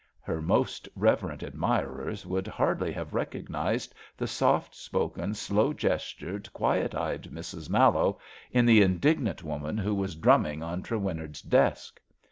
*' Her most reverent admirers would hardly have recognised the soft spoken, slow gestured, quiet eyed Mrs. Mallowe in the indignant woman who was drumming on Trewinnard 's desk.